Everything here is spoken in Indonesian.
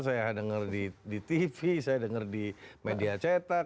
saya dengar di tv saya dengar di media cetak